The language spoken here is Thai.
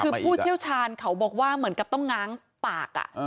คือผู้เชี่ยวชาญเขาบอกว่าเหมือนกับต้องง้างปาก